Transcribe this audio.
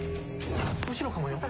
後ろかもよ。